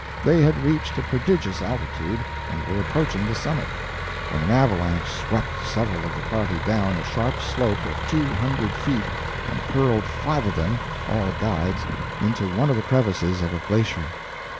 They had reached a prodigious altitude, and were approaching the summit, when an avalanche swept several of the party down a sharp slope of two hundred feet and hurled five of them (all guides) into one of the crevices of a glacier.